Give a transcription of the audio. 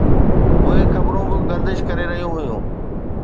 اهي خبرون به گردش ڪري رهيون هيون